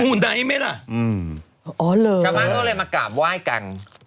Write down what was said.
ชาวบ้านเขาก็เลยมากราบว่ายกัน